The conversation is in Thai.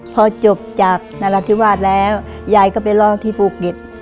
พอจบจากนราธิวาสแล้วยายก็ไปร้องที่ภูเก็ต